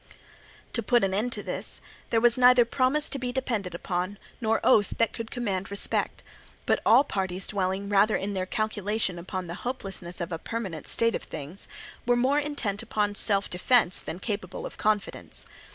To put an end to this, there was neither promise to be depended upon, nor oath that could command respect; but all parties dwelling rather in their calculation upon the hopelessness of a permanent state of things, were more intent upon self defence than capable of confidence.